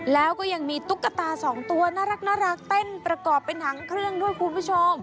แล้วก็ยังมีตุ๊กตาสองตัวน่ารักเต้นประกอบเป็นถังเครื่องด้วยคุณผู้ชม